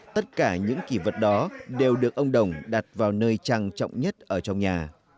tất cả những kỷ vật đó đều được ông đồng đặt vào nơi trang trọng nhất ở trong nhà